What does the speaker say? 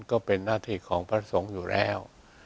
ก็เป็นหน้าที่ของพระสงฆ์อยู่แล้ว